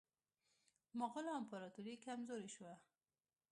مغولو امپراطوري کمزورې شوه.